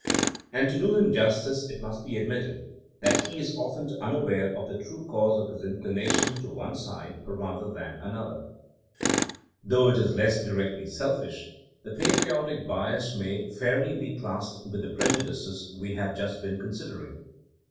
And to do him justice, it must be admitted that he is often unaware of the true cause of his inclination to one side rather than another. THINEINO AS A 80IEN0E 107 Though it is less directly selfish, the patri otic bias may fairly be classed with the preju dices we have just been considering.